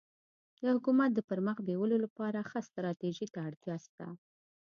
د حکومت د پرمخ بیولو لپاره ښه ستراتيژي ته اړتیا سته.